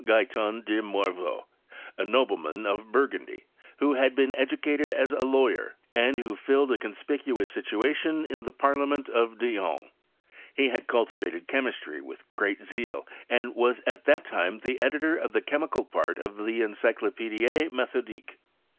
Guyton de Morveau, a nobleman of Bur gundy, who had been educated as a lawyer, and who filled a conspicuous situation in the Parliament of Dijon: he had cultivated chemistry with greatj xcul, and was at that time the editor of the chemical part of the Encyclopedie Methodique.